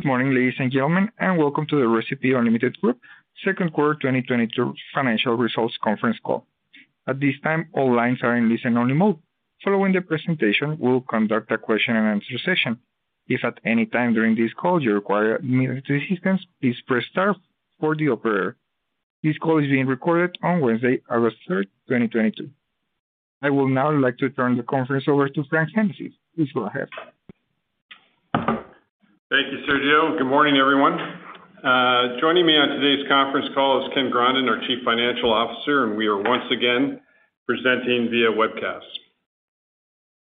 Good morning, ladies and gentlemen, and welcome to the Recipe Unlimited Corporation second quarter 2022 financial results conference call. At this time, all lines are in listen-only mode. Following the presentation, we'll conduct a question and answer session. If at any time during this call you require immediate assistance, please press star for the operator. This call is being recorded on Wednesday, August 3, 2022. I would now like to turn the conference over to Frank Hennessey. Please go ahead. Thank you, Sergio. Good morning, everyone. Joining me on today's conference call is Ken Grondin, our Chief Financial Officer, and we are once again presenting via webcast.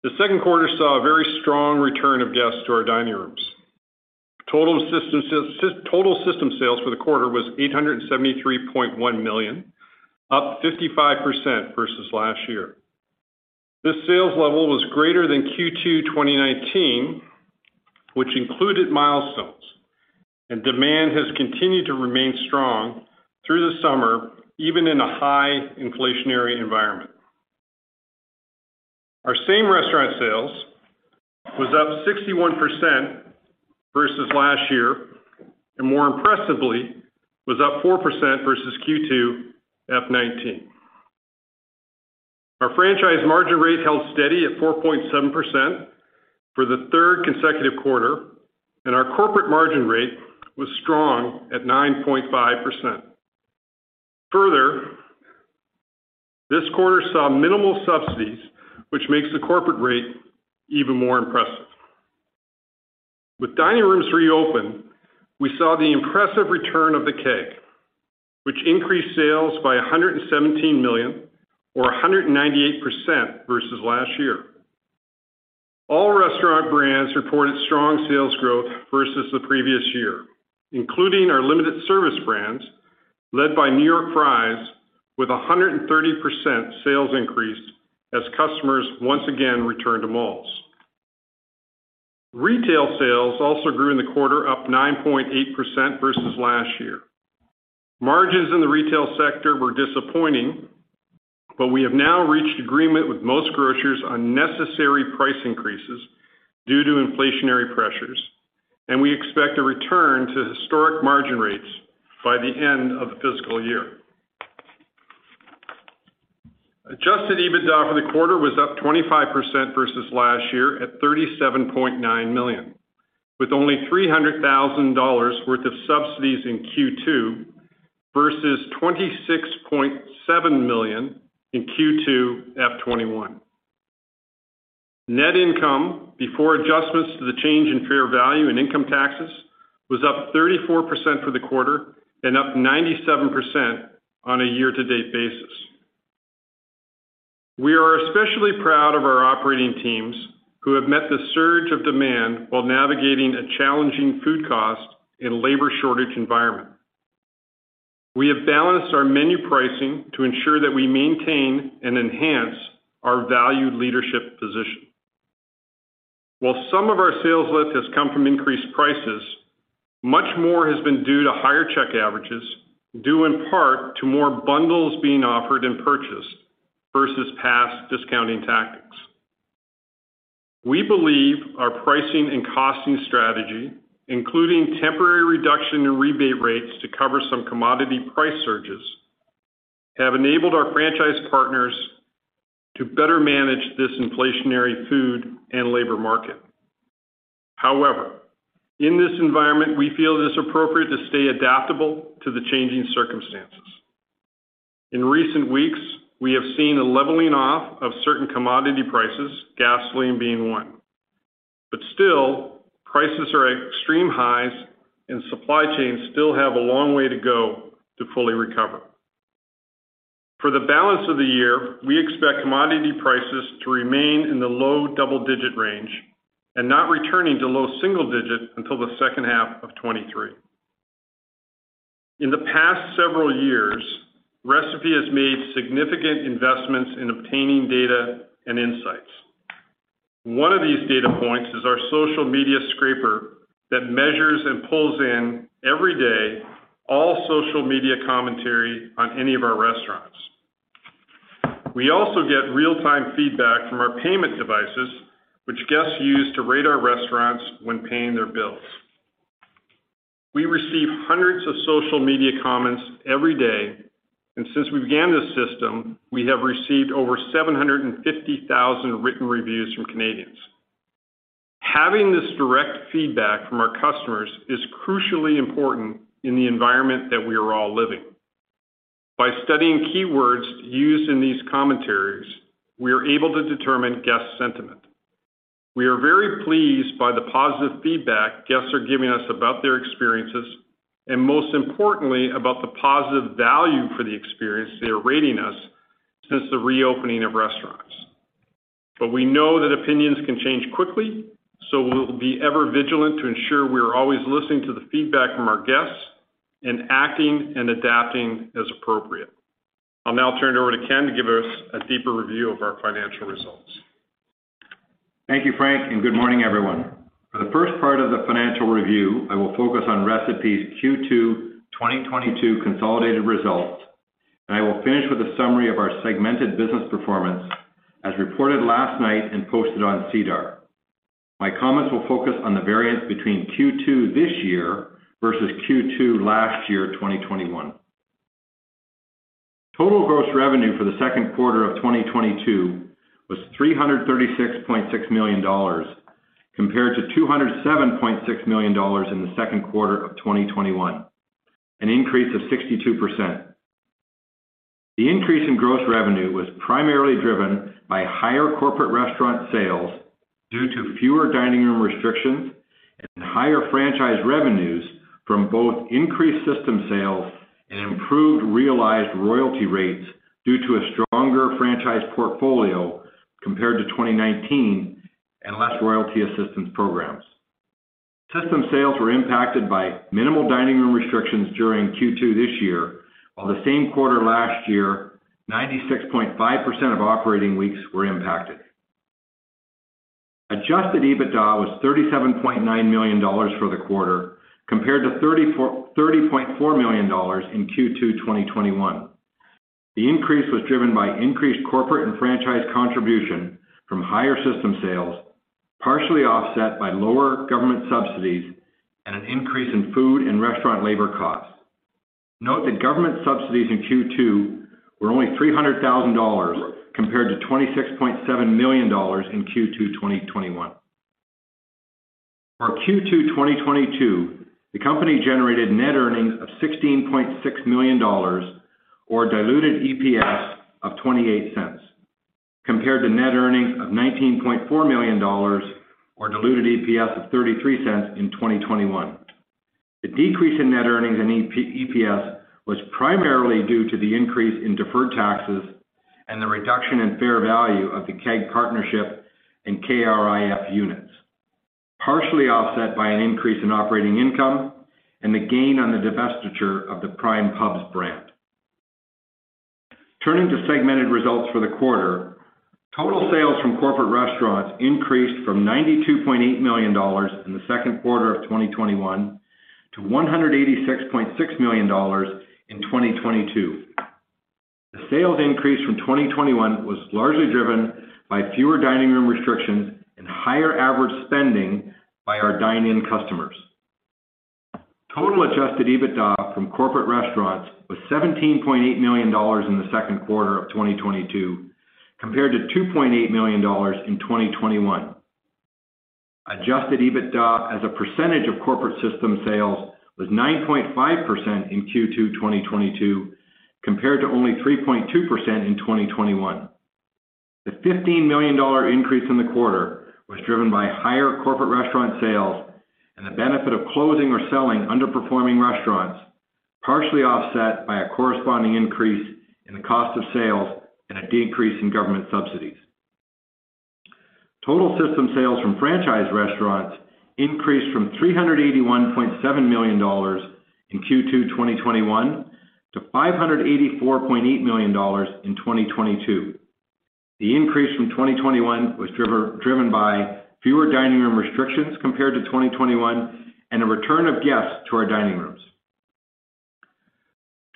The second quarter saw a very strong return of guests to our dining rooms. Total system sales for the quarter was 873.1 million, up 55% versus last year. This sales level was greater than Q2 2019, which included Milestones, and demand has continued to remain strong through the summer, even in a high inflationary environment. Our same restaurant sales was up 61% versus last year, and more impressively, was up 4% versus Q2 F19. Our franchise margin rate held steady at 4.7% for the third consecutive quarter, and our corporate margin rate was strong at 9.5%. Further, this quarter saw minimal subsidies, which makes the corporate rate even more impressive. With dining rooms reopened, we saw the impressive return of The Keg, which increased sales by 117 million or 198% versus last year. All restaurant brands reported strong sales growth versus the previous year, including our limited service brands led by New York Fries with a 130% sales increase as customers once again returned to malls. Retail sales also grew in the quarter, up 9.8% versus last year. Margins in the retail sector were disappointing, but we have now reached agreement with most grocers on necessary price increases due to inflationary pressures, and we expect a return to historic margin rates by the end of the fiscal year. Adjusted EBITDA for the quarter was up 25% versus last year at 37.9 million, with only 300,000 dollars worth of subsidies in Q2 versus 26.7 million in Q2 F21. Net income before adjustments to the change in fair value and income taxes was up 34% for the quarter and up 97% on a year-to-date basis. We are especially proud of our operating teams who have met the surge of demand while navigating a challenging food cost and labor shortage environment. We have balanced our menu pricing to ensure that we maintain and enhance our value leadership position. While some of our sales lift has come from increased prices, much more has been due to higher check averages, due in part to more bundles being offered and purchased versus past discounting tactics. We believe our pricing and costing strategy, including temporary reduction in rebate rates to cover some commodity price surges, have enabled our franchise partners to better manage this inflationary food and labor market. However, in this environment, we feel it is appropriate to stay adaptable to the changing circumstances. In recent weeks, we have seen a leveling off of certain commodity prices, gasoline being one. Still, prices are at extreme highs and supply chains still have a long way to go to fully recover. For the balance of the year, we expect commodity prices to remain in the low double-digit range and not returning to low single digit until the second half of 2023. In the past several years, Recipe has made significant investments in obtaining data and insights. One of these data points is our social media scraper that measures and pulls in every day all social media commentary on any of our restaurants. We also get real-time feedback from our payment devices, which guests use to rate our restaurants when paying their bills. We receive hundreds of social media comments every day, and since we began this system, we have received over 750,000 written reviews from Canadians. Having this direct feedback from our customers is crucially important in the environment that we are all living. By studying keywords used in these commentaries, we are able to determine guest sentiment. We are very pleased by the positive feedback guests are giving us about their experiences and most importantly, about the positive value for the experience they are rating us since the reopening of restaurants. We know that opinions can change quickly, so we'll be ever vigilant to ensure we are always listening to the feedback from our guests and acting and adapting as appropriate. I'll now turn it over to Ken to give us a deeper review of our financial results. Thank you, Frank, and good morning, everyone. For the first part of the financial review, I will focus on Recipe's Q2 2022 consolidated results. I will finish with a summary of our segmented business performance as reported last night and posted on SEDAR. My comments will focus on the variance between Q2 this year versus Q2 last year, 2021. Total gross revenue for the second quarter of 2022 was 336.6 million dollars, compared to 207.6 million dollars in the second quarter of 2021, an increase of 62%. The increase in gross revenue was primarily driven by higher corporate restaurant sales due to fewer dining room restrictions and higher franchise revenues from both increased system sales and improved realized royalty rates due to a stronger franchise portfolio compared to 2019 and less royalty assistance programs. System sales were impacted by minimal dining room restrictions during Q2 this year, while the same quarter last year 96.5% of operating weeks were impacted. Adjusted EBITDA was 37.9 million dollars for the quarter, compared to 30.4 million dollars in Q2 2021. The increase was driven by increased corporate and franchise contribution from higher system sales, partially offset by lower government subsidies and an increase in food and restaurant labor costs. Note that government subsidies in Q2 were only 300,000 dollars compared to 26.7 million dollars in Q2 2021. For Q2 2022, the company generated net earnings of 16.6 million dollars or diluted EPS of 0.28, compared to net earnings of 19.4 million dollars or diluted EPS of 0.33 in 2021. The decrease in net earnings in EPS was primarily due to the increase in deferred taxes and the reduction in fair value of the Keg partnership in KRIF units, partially offset by an increase in operating income and the gain on the divestiture of the Prime Pubs brand. Turning to segmented results for the quarter, total sales from corporate restaurants increased from 92.8 million dollars in the second quarter of 2021 to 186.6 million dollars in 2022. The sales increase from 2021 was largely driven by fewer dining room restrictions and higher average spending by our dine-in customers. Total adjusted EBITDA from corporate restaurants was 17.8 million dollars in the second quarter of 2022, compared to 2.8 million dollars in 2021. Adjusted EBITDA as a percentage of corporate system sales was 9.5% in Q2 2022, compared to only 3.2% in 2021. The 15 million dollar increase in the quarter was driven by higher corporate restaurant sales and the benefit of closing or selling underperforming restaurants, partially offset by a corresponding increase in the cost of sales and a decrease in government subsidies. Total system sales from franchise restaurants increased from 381.7 million dollars in Q2 2021 to 584.8 million dollars in 2022. The increase from 2021 was driven by fewer dining room restrictions compared to 2021 and a return of guests to our dining rooms.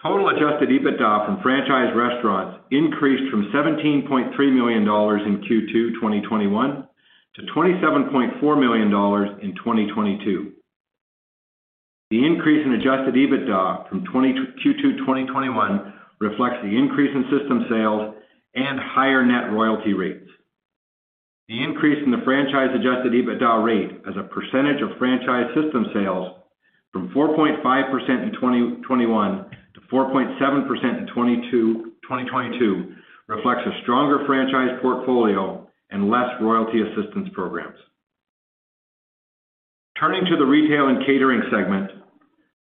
Total adjusted EBITDA from franchise restaurants increased from 17.3 million dollars in Q2 2021 to 27.4 million dollars in 2022. The increase in adjusted EBITDA from Q2 2021 reflects the increase in system sales and higher net royalty rates. The increase in the franchise adjusted EBITDA rate as a percentage of franchise system sales from 4.5% in 2021 to 4.7% in 2022 reflects a stronger franchise portfolio and less royalty assistance programs. Turning to the retail and catering segment.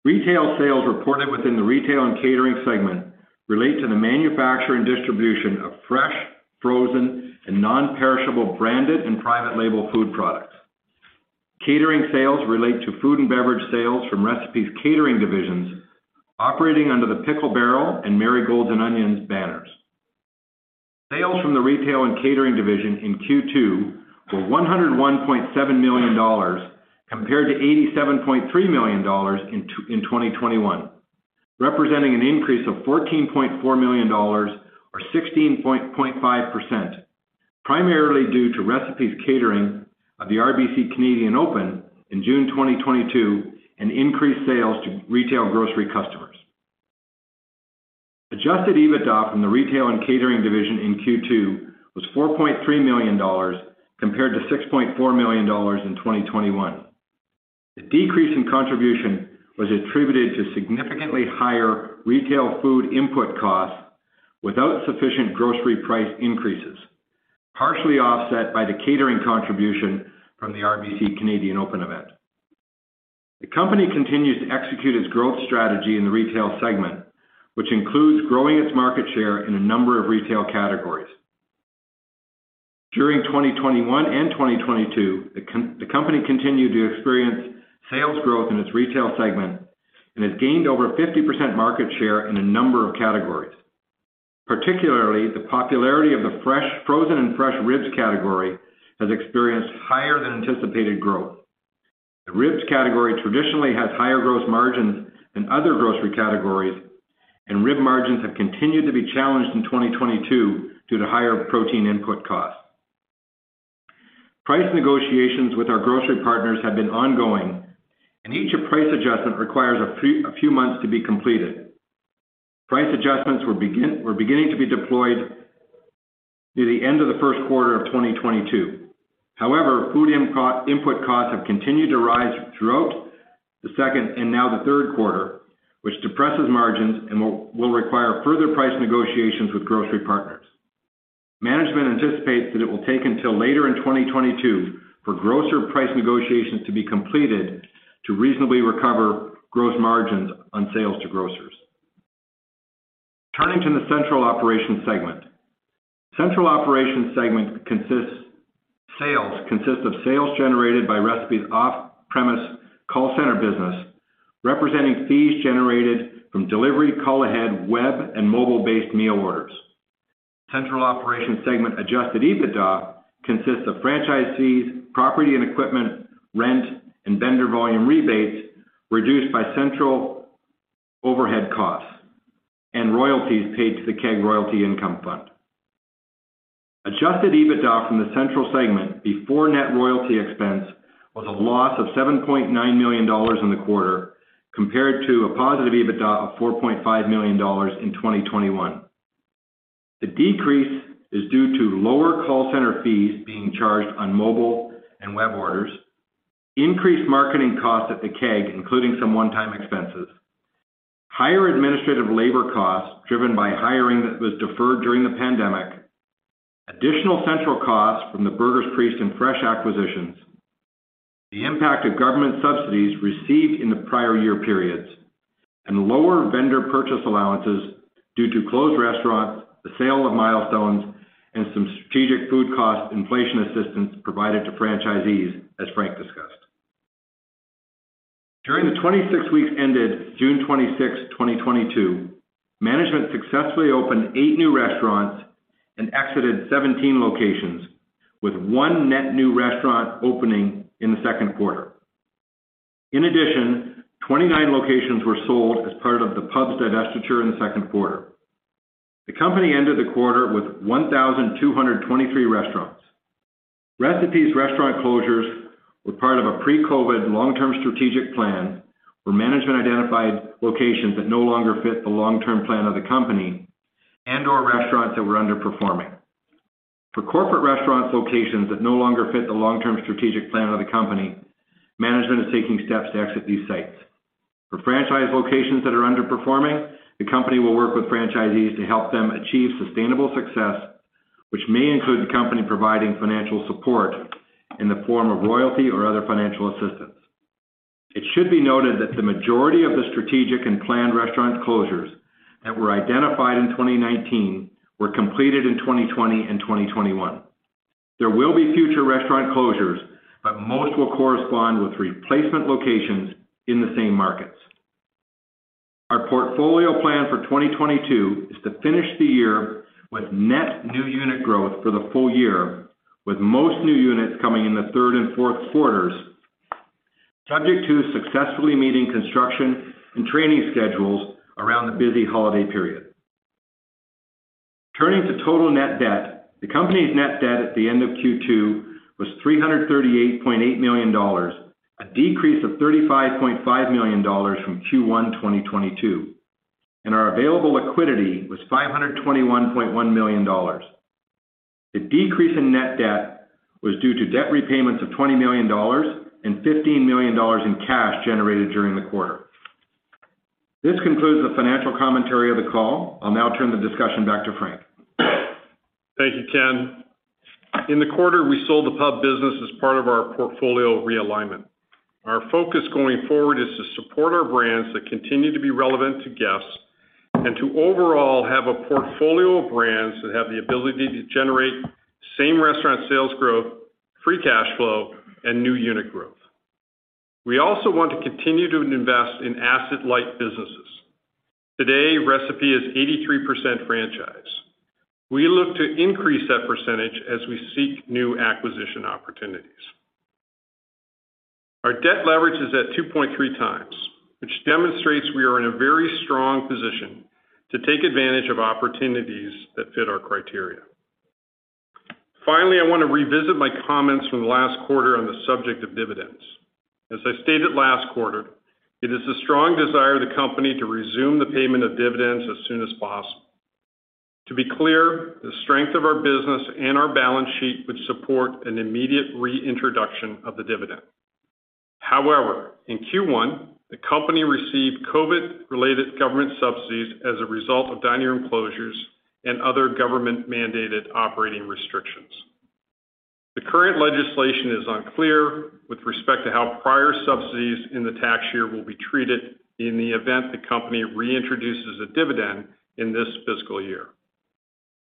Retail sales reported within the retail and catering segment relate to the manufacture and distribution of fresh, frozen, and non-perishable branded and private label food products. Catering sales relate to food and beverage sales from Recipe's Catering Divisions operating under the Pickle Barrel and Marigolds & Onions banners. Sales from the retail and catering division in Q2 were 101.7 million dollars, compared to 87.3 million dollars in 2021, representing an increase of 14.4 million dollars or 16.5%, primarily due to Recipe's catering for the RBC Canadian Open in June 2022 and increased sales to retail grocery customers. Adjusted EBITDA from the retail and catering division in Q2 was 4.3 million dollars, compared to 6.4 million dollars in 2021. The decrease in contribution was attributed to significantly higher retail food input costs without sufficient grocery price increases, partially offset by the catering contribution from the RBC Canadian Open event. The company continues to execute its growth strategy in the retail segment, which includes growing its market share in a number of retail categories. During 2021 and 2022, the company continued to experience sales growth in its retail segment and has gained over 50% market share in a number of categories. Particularly, the popularity of the frozen and fresh ribs category has experienced higher than anticipated growth. The ribs category traditionally has higher gross margins than other grocery categories, and rib margins have continued to be challenged in 2022 due to higher protein input costs. Price negotiations with our grocery partners have been ongoing, and each price adjustment requires a few months to be completed. Price adjustments were beginning to be deployed through the end of the first quarter of 2022. However, food input costs have continued to rise throughout the second and now the third quarter, which depresses margins and will require further price negotiations with grocery partners. Management anticipates that it will take until later in 2022 for grocer price negotiations to be completed to reasonably recover gross margins on sales to grocers. Turning to the central operations segment. The central operations segment consists of sales generated by Recipe's off-premise call center business, representing fees generated from delivery, call-ahead, web, and mobile-based meal orders. Central operations segment adjusted EBITDA consists of franchisees, property and equipment, rent, and vendor volume rebates, reduced by central overhead costs and royalties paid to The Keg Royalties Income Fund. Adjusted EBITDA from the central segment before net royalty expense was a loss of 7.9 million dollars in the quarter, compared to a positive EBITDA of 4.5 million dollars in 2021. The decrease is due to lower call center fees being charged on mobile and web orders, increased marketing costs at The Keg, including some one-time expenses, higher administrative labor costs driven by hiring that was deferred during the pandemic, additional central costs from The Burger's Priest and Fresh acquisitions, the impact of government subsidies received in the prior year periods, and lower vendor purchase allowances due to closed restaurants, the sale of Milestones, and some strategic food cost inflation assistance provided to franchisees, as Frank discussed. During the 26 weeks ended June 26th, 2022, management successfully opened eight new restaurants and exited 17 locations, with one net new restaurant opening in the second quarter. In addition, 29 locations were sold as part of the pubs' divestiture in the second quarter. The company ended the quarter with 1,123 restaurants. Recipe's restaurant closures were part of a pre-COVID long-term strategic plan, where management identified locations that no longer fit the long-term plan of the company and/or restaurants that were underperforming. For corporate restaurant locations that no longer fit the long-term strategic plan of the company, management is taking steps to exit these sites. For franchise locations that are underperforming, the company will work with franchisees to help them achieve sustainable success, which may include the company providing financial support in the form of royalty or other financial assistance. It should be noted that the majority of the strategic and planned restaurant closures that were identified in 2019 were completed in 2020 and 2021. There will be future restaurant closures, but most will correspond with replacement locations in the same markets. Our portfolio plan for 2022 is to finish the year with net new unit growth for the full year, with most new units coming in the third and fourth quarters, subject to successfully meeting construction and training schedules around the busy holiday period. Turning to total net debt. The company's net debt at the end of Q2 was 338.8 million dollars, a decrease of 35.5 million dollars from Q1 2022, and our available liquidity was 521.1 million dollars. The decrease in net debt was due to debt repayments of 20 million dollars and 15 million dollars in cash generated during the quarter. This concludes the financial commentary of the call. I'll now turn the discussion back to Frank. Thank you, Ken. In the quarter, we sold the pub business as part of our portfolio realignment. Our focus going forward is to support our brands that continue to be relevant to guests and to overall have a portfolio of brands that have the ability to generate same-restaurant sales growth, free cash flow, and new unit growth. We also want to continue to invest in asset-light businesses. Today, Recipe is 83% franchise. We look to increase that percentage as we seek new acquisition opportunities. Our debt leverage is at 2.3x, which demonstrates we are in a very strong position to take advantage of opportunities that fit our criteria. Finally, I wanna revisit my comments from last quarter on the subject of dividends. As I stated last quarter, it is the strong desire of the company to resume the payment of dividends as soon as possible. To be clear, the strength of our business and our balance sheet would support an immediate reintroduction of the dividend. However, in Q1, the company received COVID-related government subsidies as a result of dine-in closures and other government-mandated operating restrictions. The current legislation is unclear with respect to how prior subsidies in the tax year will be treated in the event the company reintroduces a dividend in this fiscal year.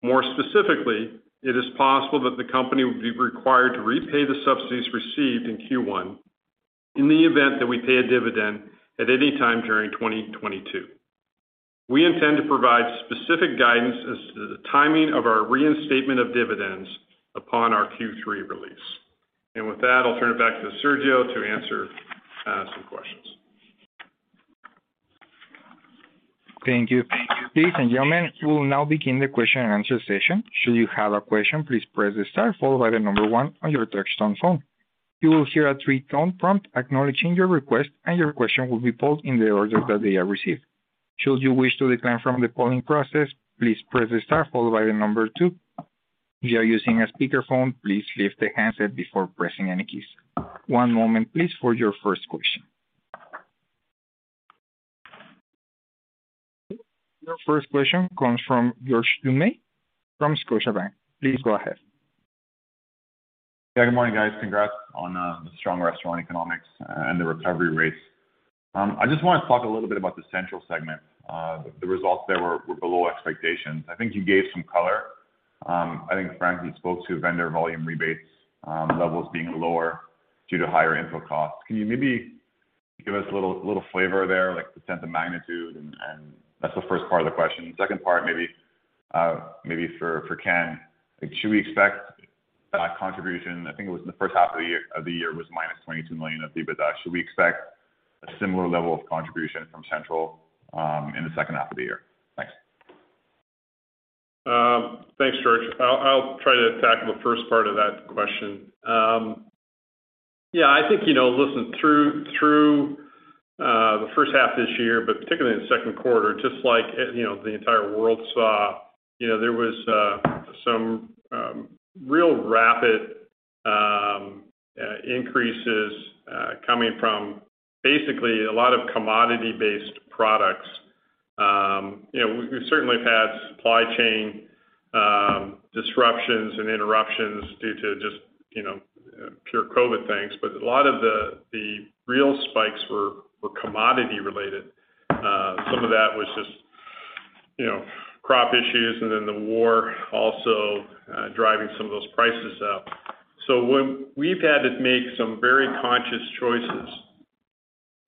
More specifically, it is possible that the company will be required to repay the subsidies received in Q1 in the event that we pay a dividend at any time during 2022. We intend to provide specific guidance as to the timing of our reinstatement of dividends upon our Q3 release. With that, I'll turn it back to Sergio to answer some questions. Thank you. Ladies and gentlemen, we'll now begin the question and answer session. Should you have a question, please press star followed by the number one on your touchtone phone. You will hear a three-tone prompt acknowledging your request, and your question will be posed in the order that they are received. Should you wish to decline from the polling process, please press the star followed by the number two. If you are using a speakerphone, please lift the handset before pressing any keys. One moment please, for your first question. Your first question comes from George Doumet from Scotiabank. Please go ahead. Yeah. Good morning, guys. Congrats on the strong restaurant economics and the recovery rates. I just want to talk a little bit about the central segment. The results there were below expectations. I think you gave some color. I think Frank, you spoke to vendor volume rebates levels being lower due to higher input costs. Can you maybe give us a little flavor there, like the sense of magnitude and that's the first part of the question. Second part, maybe for Ken, should we expect contribution? I think it was in the first half of the year -22 million of the EBITDA. Should we expect a similar level of contribution from central in the second half of the year? Thanks. Thanks, George. I'll try to tackle the first part of that question. Yeah, I think, you know, listen, through the first half of this year, but particularly in the second quarter, just like, you know, the entire world saw, you know, there was some real rapid increases coming from basically a lot of commodity-based products. You know, we certainly have had supply chain disruptions and interruptions due to just, you know, pure COVID things. A lot of the real spikes were commodity related. Some of that was just, you know, crop issues, and then the war also driving some of those prices up. We've had to make some very conscious choices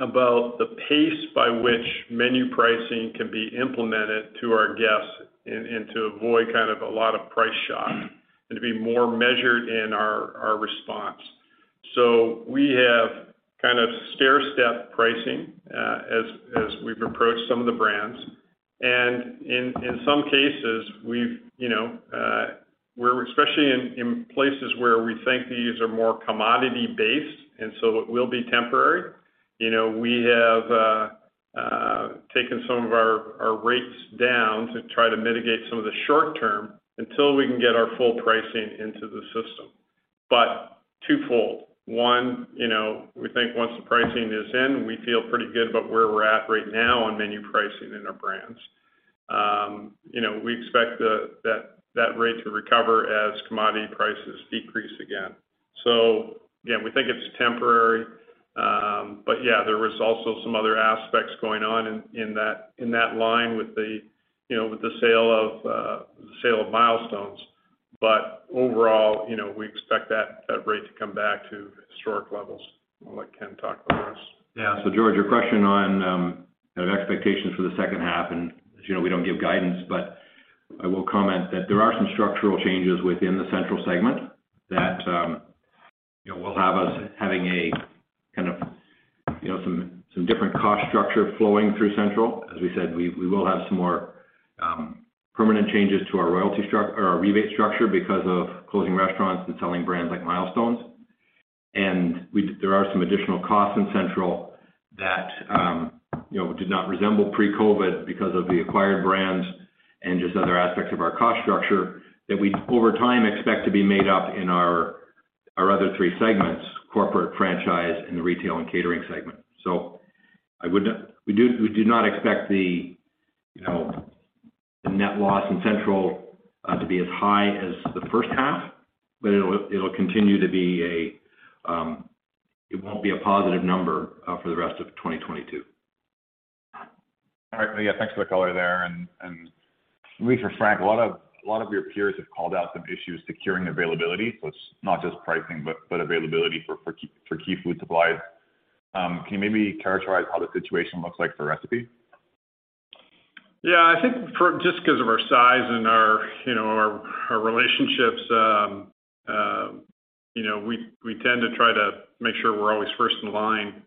about the pace by which menu pricing can be implemented to our guests and to avoid kind of a lot of price shock and to be more measured in our response. We have kind of stairstep pricing as we've approached some of the brands. In some cases we've, you know, especially in places where we think these are more commodity-based, and so it will be temporary. You know, we have taken some of our rates down to try to mitigate some of the short-term until we can get our full pricing into the system. Twofold. One, you know, we think once the pricing is in, we feel pretty good about where we're at right now on menu pricing in our brands. You know, we expect that rate to recover as commodity prices decrease again. Yeah, we think it's temporary. Yeah, there was also some other aspects going on in that line with the sale of Milestones. Overall, you know, we expect that rate to come back to historic levels. I'll let Ken talk about the rest. Yeah. George, your question on kind of expectations for the second half. As you know, we don't give guidance, but I will comment that there are some structural changes within the central segment that, you know, will have us having a kind of, you know, some different cost structure flowing through central. As we said, we will have some more permanent changes to our rebate structure because of closing restaurants and selling brands like Milestones. There are some additional costs in central that, you know, did not resemble pre-COVID because of the acquired brands and just other aspects of our cost structure that we over time expect to be made up in our other three segments, corporate, franchise and the retail and catering segment. We do not expect the, you know, the net loss in central to be as high as the first half, but it'll continue to be, it won't be a positive number for the rest of 2022. All right. Yeah, thanks for the color there. Maybe for Frank, a lot of your peers have called out some issues with securing availability. It's not just pricing but availability for key food supplies. Can you maybe characterize how the situation looks like for Recipe? Yeah, I think, just because of our size and our, you know, our relationships, you know, we tend to try to make sure we're always first in line.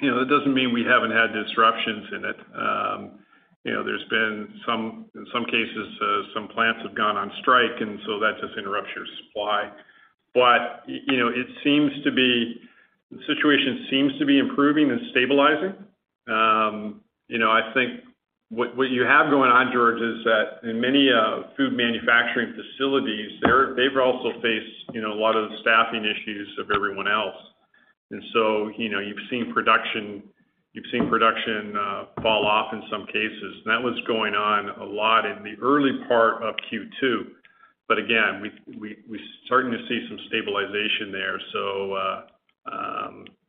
You know, that doesn't mean we haven't had disruptions in it. You know, there's been some in some cases, some plants have gone on strike, and so that just interrupts your supply. You know, the situation seems to be improving and stabilizing. You know, I think what you have going on, George, is that in many food manufacturing facilities, they've also faced, you know, a lot of the staffing issues of everyone else. You know, you've seen production fall off in some cases. That was going on a lot in the early part of Q2. Again, we're starting to see some stabilization there.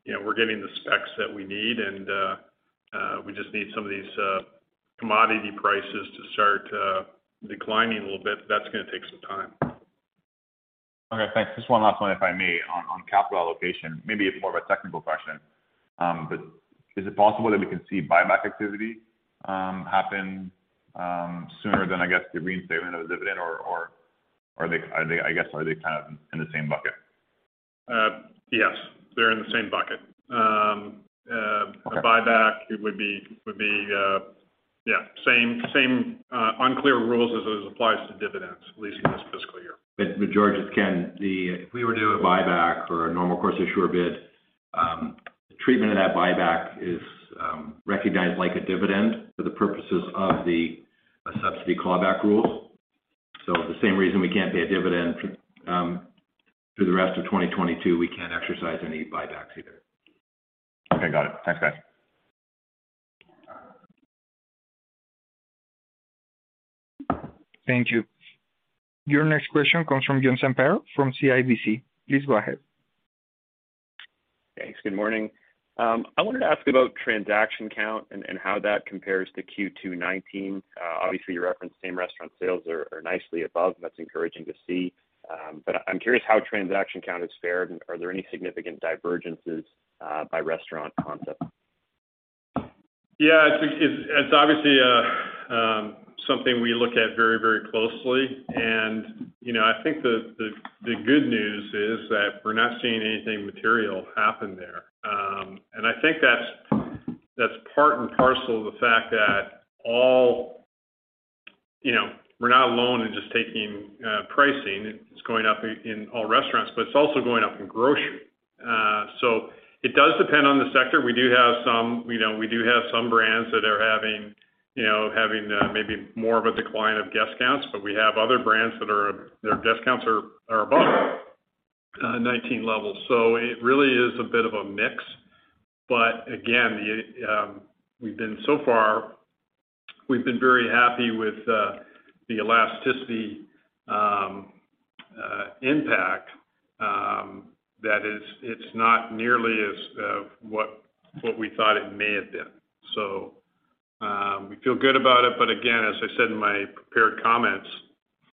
You know, we're getting the specs that we need and we just need some of these commodity prices to start declining a little bit, but that's gonna take some time. Okay, thanks. Just one last one, if I may, on capital allocation. Maybe it's more of a technical question. Is it possible that we can see buyback activity happen sooner than, I guess, the reinstatement of dividend or are they kind of in the same bucket? Yes. They're in the same bucket. Okay. A buyback it would be. Yeah, same unclear rules as it applies to dividends, at least in this fiscal year. George, it's Ken. If we were to do a buyback or a normal course issuer bid, the treatment of that buyback is recognized like a dividend for the purposes of the subsidy clawback rule. The same reason we can't pay a dividend through the rest of 2022, we can't exercise any buybacks either. Okay, got it. Thanks, guys. Thank you. Your next question comes from John Zamparo from CIBC. Please go ahead. Thanks. Good morning. I wanted to ask about transaction count and how that compares to Q2 2019. Obviously, you referenced same-restaurant sales are nicely above, and that's encouraging to see. I'm curious how transaction count has fared, and are there any significant divergences by restaurant concept? Yeah. It's obviously something we look at very, very closely. You know, I think the good news is that we're not seeing anything material happen there. I think that's part and parcel of the fact that you know, we're not alone in just taking pricing. It's going up in all restaurants, but it's also going up in grocery. It does depend on the sector. We do have some brands that are having, you know, maybe more of a decline of guest counts, but we have other brands that are their guest counts are above 19 levels. It really is a bit of a mix. We've been so far very happy with the elasticity impact. It's not nearly as what we thought it may have been. We feel good about it, but again, as I said in my prepared comments,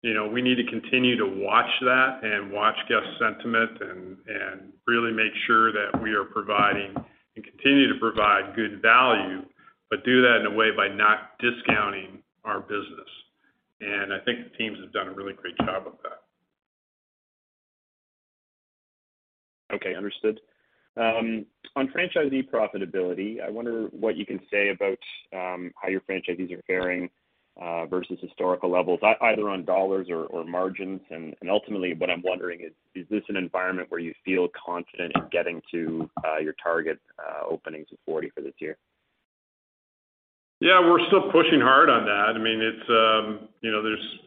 you know, we need to continue to watch that and watch guest sentiment and really make sure that we are providing and continue to provide good value, but do that in a way by not discounting our business. I think the teams have done a really great job of that. Okay, understood. On franchisee profitability, I wonder what you can say about how your franchisees are faring versus historical levels, either on dollars or margins. Ultimately, what I'm wondering is this an environment where you feel confident in getting to your target openings of 40 for this year? Yeah, we're still pushing hard on that. I mean, it's, you know, there's,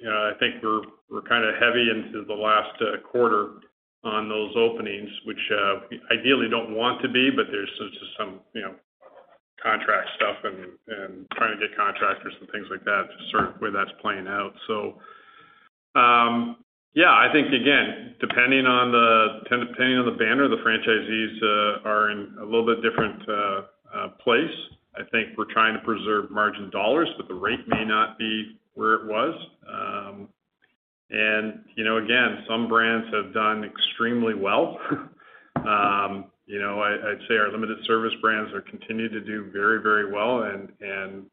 you know, I think we're kinda heavy into the last quarter on those openings, which ideally don't want to be, but there's just some, you know, contract stuff and trying to get contractors and things like that, just sort of where that's playing out. Yeah, I think again, depending on the banner, the franchisees are in a little bit different place. I think we're trying to preserve margin dollars, but the rate may not be where it was. You know, again, some brands have done extremely well. You know, I'd say our limited service brands are continued to do very, very well, and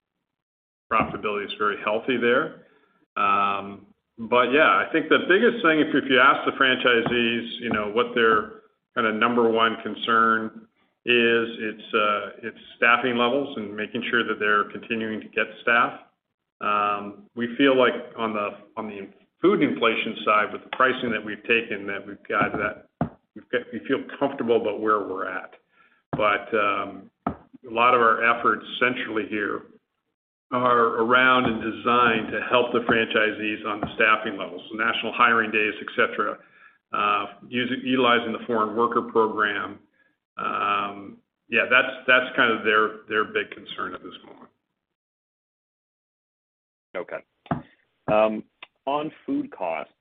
profitability is very healthy there. Yeah, I think the biggest thing, if you ask the franchisees, you know, what their kinda number one concern is, it's staffing levels and making sure that they're continuing to get staff. We feel like on the food inflation side, with the pricing that we've taken, that we've got that. We feel comfortable about where we're at. A lot of our efforts centrally here are around and designed to help the franchisees on the staffing levels, national hiring days, et cetera, utilizing the foreign worker program. Yeah, that's kind of their big concern at this moment. Okay. On food costs,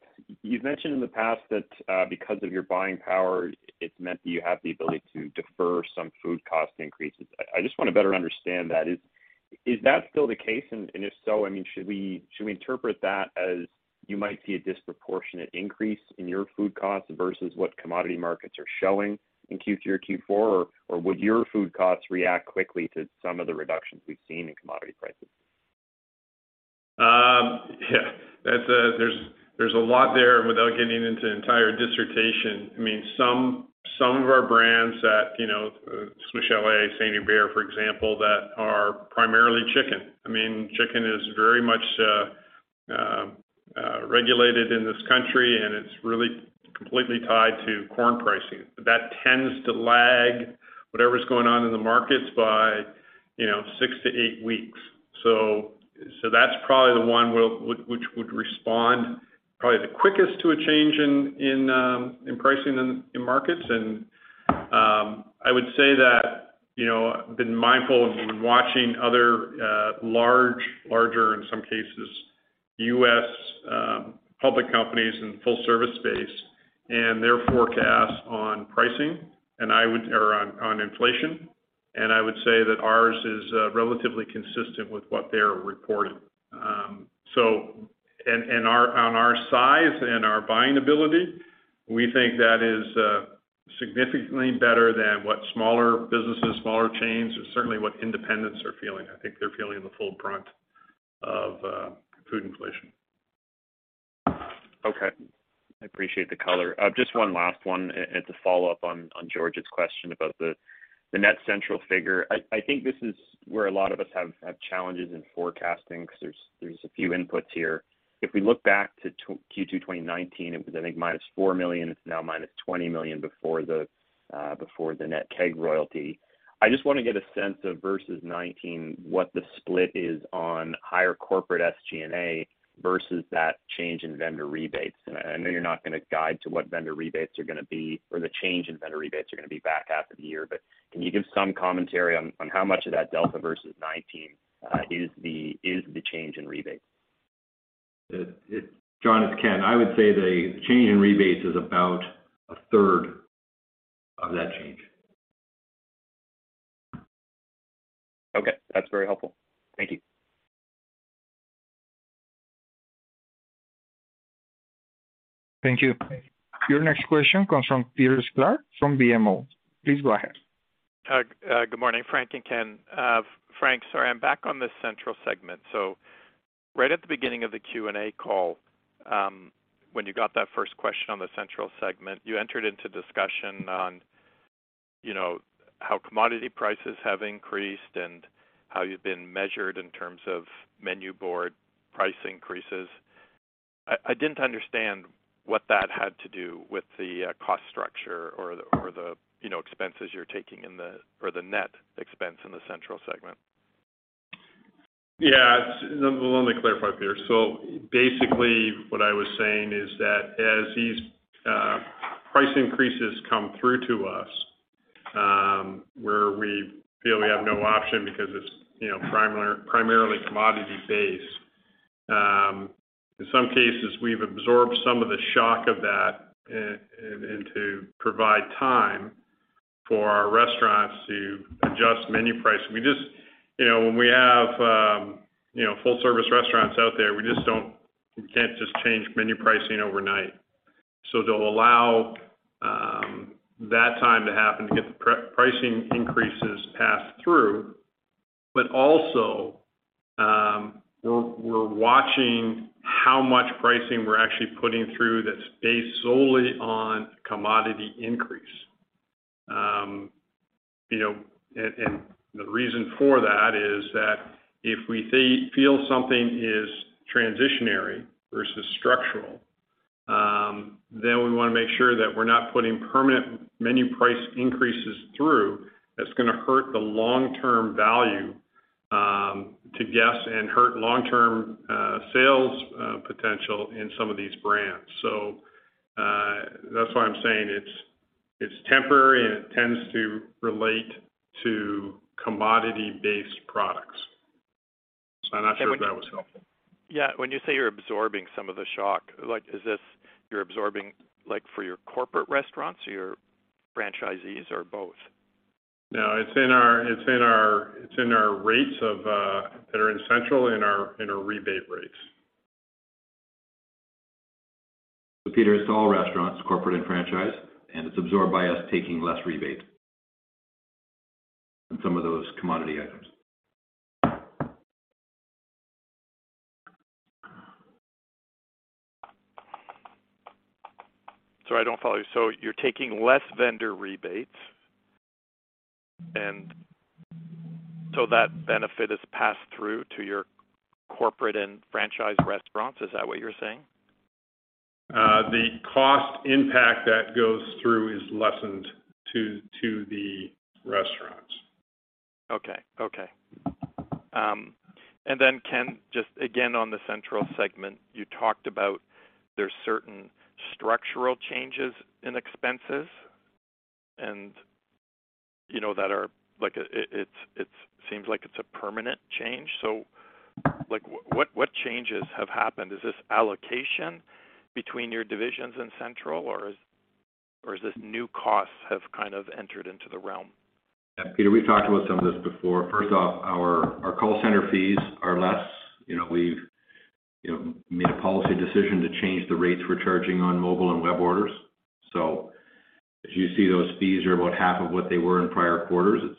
you've mentioned in the past that, because of your buying power, it's meant that you have the ability to defer some food cost increases. I just wanna better understand that. Is that still the case? If so, I mean, should we interpret that as you might see a disproportionate increase in your food costs versus what commodity markets are showing in Q3 or Q4? Or would your food costs react quickly to some of the reductions we've seen in commodity prices? Yeah. That's. There's a lot there, and without getting into entire dissertation, I mean, some of our brands at, you know, Swiss Chalet, St-Hubert, for example, that are primarily chicken. I mean, chicken is very much regulated in this country, and it's really completely tied to corn pricing. That tends to lag whatever's going on in the markets by, you know, six to eight weeks. That's probably the one which would respond probably the quickest to a change in pricing in markets. I would say that, you know, been mindful of watching other large, larger, in some cases, U.S. public companies in full service space and their forecast on pricing or on inflation. I would say that ours is relatively consistent with what they are reporting. On our size and our buying ability, we think that is significantly better than what smaller businesses, smaller chains, or certainly what independents are feeling. I think they're feeling the full brunt of food inflation. Okay. I appreciate the color. Just one last one, it's a follow-up on George's question about the net central figure. I think this is where a lot of us have challenges in forecasting 'cause there's a few inputs here. If we look back to Q2 2019, it was, I think, -4 million, it's now -20 million before the net Keg royalty. I just wanna get a sense of versus 2019, what the split is on higher corporate SG&A versus that change in vendor rebates. I know you're not gonna guide to what vendor rebates are gonna be or the change in vendor rebates are gonna be back half of the year. Can you give some commentary on how much of that delta versus 2019 is the change in rebates? John, it's Ken. I would say the change in rebates is about a third of that change. Okay, that's very helpful. Thank you. Thank you. Your next question comes from Peter Sklar from BMO. Please go ahead. Good morning, Frank and Ken. Frank, sorry, I'm back on the central segment. Right at the beginning of the Q&A call, when you got that first question on the central segment, you entered into discussion on, you know, how commodity prices have increased and how you've been measured in terms of menu board price increases. I didn't understand what that had to do with the cost structure or the, you know, expenses you're taking in or the net expense in the central segment. Yeah, let me clarify, Peter. Basically, what I was saying is that as these price increases come through to us, where we feel we have no option because it's, you know, primarily commodity based, in some cases, we've absorbed some of the shock of that to provide time for our restaurants to adjust menu pricing. We just, you know, when we have full service restaurants out there, we can't just change menu pricing overnight. They'll allow that time to happen to get the pricing increases passed through. Also, we're watching how much pricing we're actually putting through that's based solely on commodity increase. You know, the reason for that is that if we feel something is transitory versus structural, then we wanna make sure that we're not putting permanent menu price increases through, that's gonna hurt the long-term value to guests and hurt long-term sales potential in some of these brands. That's why I'm saying it's temporary, and it tends to relate to commodity-based products. I'm not sure if that was helpful. Yeah. When you say you're absorbing some of the shock, like, is this you're absorbing, like, for your corporate restaurants or your franchisees or both? No, it's in our rebate rates. Peter, it's all restaurants, corporate and franchise, and it's absorbed by us taking less rebate on some of those commodity items. Sorry, I don't follow you. You're taking less vendor rebates, and so that benefit is passed through to your corporate and franchise restaurants. Is that what you're saying? The cost impact that goes through is lessened to the restaurants. Ken, just again on the central segment, you talked about there's certain structural changes in expenses and, you know, that are like, it's seems like it's a permanent change. Like, what changes have happened? Is this allocation between your divisions in central, or is this new costs have kind of entered into the realm? Yeah, Peter, we've talked about some of this before. First off, our call center fees are less. You know, we've you know made a policy decision to change the rates we're charging on mobile and web orders. As you see, those fees are about half of what they were in prior quarters. It's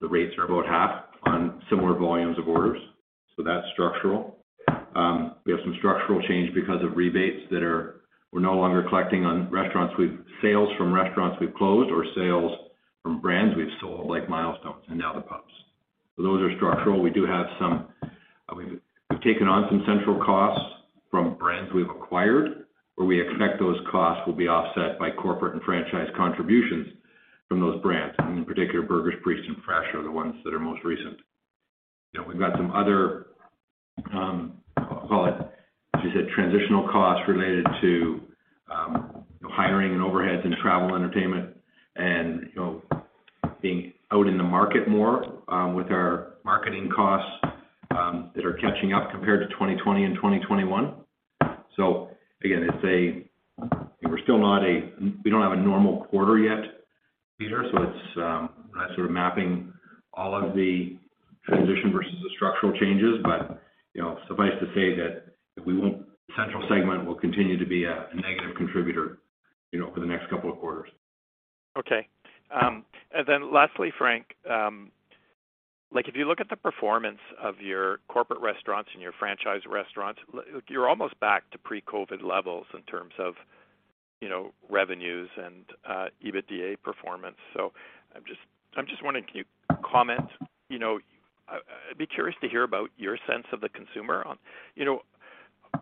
the rates are about half on similar volumes of orders, so that's structural. We have some structural change because of rebates that we're no longer collecting on sales from restaurants we've closed or sales from brands we've sold, like Milestones and now the pubs. Those are structural. We've taken on some central costs from brands we've acquired, where we expect those costs will be offset by corporate and franchise contributions from those brands. In particular, Burger's Priest and Fresh are the ones that are most recent. You know, we've got some other, I'll call it, as you said, transitional costs related to, you know, hiring and overheads and travel, entertainment and, you know, being out in the market more, with our marketing costs. That are catching up compared to 2020 and 2021. Again, we don't have a normal quarter yet, Peter, so it's sort of mapping all of the transition versus the structural changes. You know, suffice to say central segment will continue to be a negative contributor, you know, for the next couple of quarters. Okay. And then lastly, Frank, like, if you look at the performance of your corporate restaurants and your franchise restaurants, you're almost back to pre-COVID levels in terms of, you know, revenues and EBITDA performance. I'm just wondering, can you comment? You know, I'd be curious to hear about your sense of the consumer on. You know,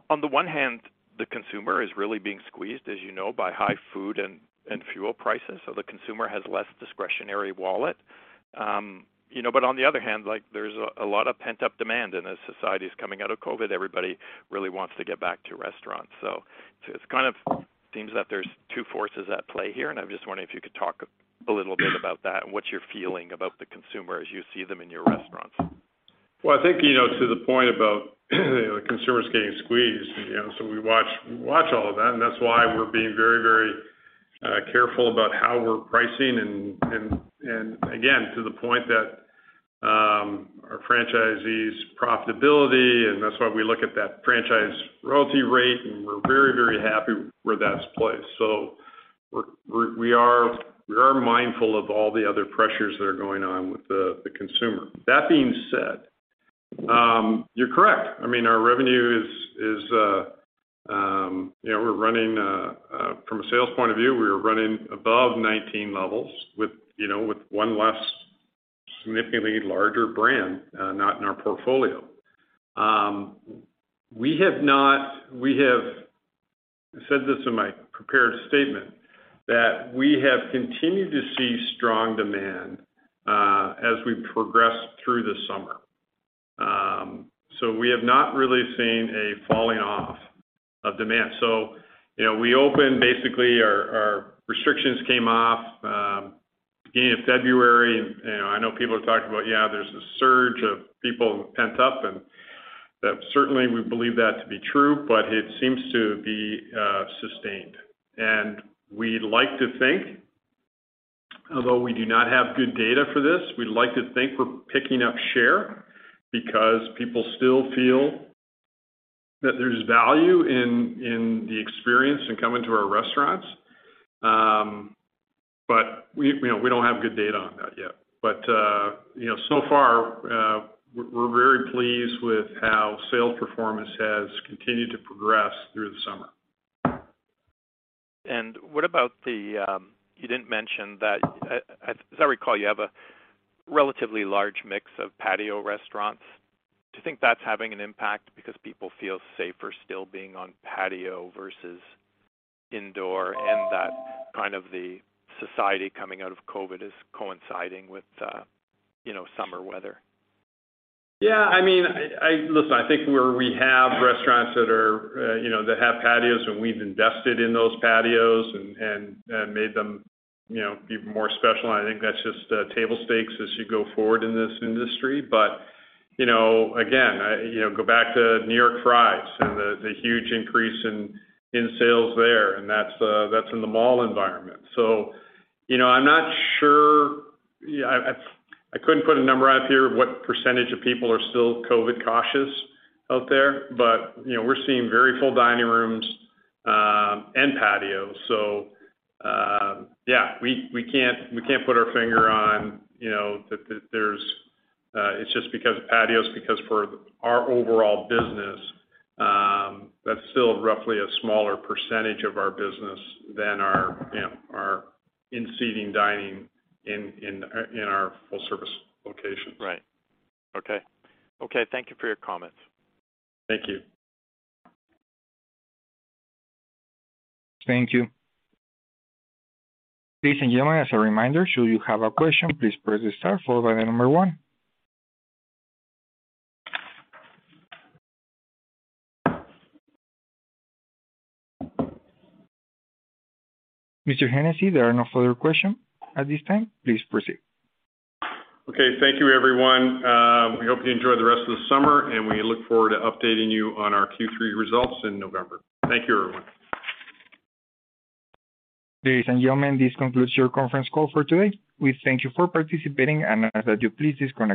on the one hand, the consumer is really being squeezed, as you know, by high food and fuel prices, so the consumer has less discretionary wallet. You know, but on the other hand, like, there's a lot of pent-up demand, and as society is coming out of COVID, everybody really wants to get back to restaurants. It kind of seems that there's two forces at play here, and I'm just wondering if you could talk a little bit about that and what you're feeling about the consumer as you see them in your restaurants. Well, I think, you know, to the point about, you know, the consumers getting squeezed, you know, we watch all of that, and that's why we're being very, very careful about how we're pricing. And again, to the point that our franchisees' profitability, and that's why we look at that franchise royalty rate, and we're very, very happy where that's placed. We are mindful of all the other pressures that are going on with the consumer. That being said, you're correct. I mean, our revenue is, you know, from a sales point of view, we are running above 19 levels with, you know, with one less significantly larger brand not in our portfolio. We have said this in my prepared statement, that we have continued to see strong demand as we progress through the summer. We have not really seen a falling off of demand. You know, we opened basically our restrictions came off beginning of February. You know, I know people have talked about, yeah, there's a surge of people pent up, and that certainly we believe that to be true, but it seems to be sustained. We'd like to think, although we do not have good data for this, we'd like to think we're picking up share because people still feel that there's value in the experience in coming to our restaurants. You know, we don't have good data on that yet. You know, so far, we're very pleased with how sales performance has continued to progress through the summer. What about the, you didn't mention that, as I recall, you have a relatively large mix of patio restaurants. Do you think that's having an impact because people feel safer still being on patio versus indoor, and that kind of the society coming out of COVID is coinciding with, you know, summer weather? Yeah, I mean, listen, I think where we have restaurants that are, you know, that have patios and we've invested in those patios and made them, you know, even more special, and I think that's just table stakes as you go forward in this industry. You know, again, you know, go back to New York Fries and the huge increase in sales there, and that's in the mall environment. You know, I'm not sure. I couldn't put a number out here of what percentage of people are still COVID cautious out there. You know, we're seeing very full dining rooms and patios. Yeah. We can't put our finger on, you know, that there's it's just because of patios, because for our overall business, that's still roughly a smaller percentage of our business than our, you know, our in-seating dining in our full service locations. Right. Okay, thank you for your comments. Thank you. Thank you. Ladies and gentlemen, as a reminder, should you have a question, please press star followed by the number one. Mr. Hennessey, there are no further question at this time. Please proceed. Okay. Thank you, everyone. We hope you enjoy the rest of the summer, and we look forward to updating you on our Q3 results in November. Thank you, everyone. Ladies and gentlemen, this concludes your conference call for today. We thank you for participating, and ask that you please disconnect your-